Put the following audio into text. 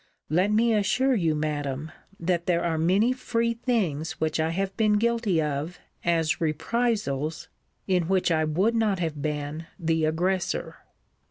Let me assure you, Madam, that there are many free things which I have been guilty of as reprisals, in which I would not have been the aggressor.